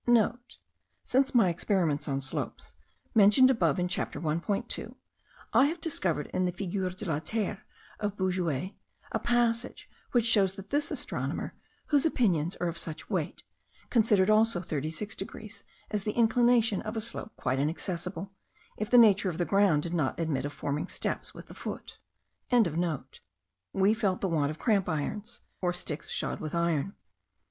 *(* Since my experiments on slopes, mentioned above in Chapter 1.2, I have discovered in the Figure de la Terre of Bouguer, a passage, which shows that this astronomer, whose opinions are of such weight, considered also 36 degrees as the inclination of a slope quite inaccessible, if the nature of the ground did not admit of forming steps with the foot.) We felt the want of cramp irons, or sticks shod with iron.